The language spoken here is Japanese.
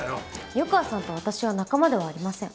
湯川さんと私は仲間ではありません。